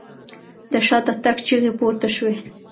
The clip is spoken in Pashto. د شاته تګ چيغې پورته شوې.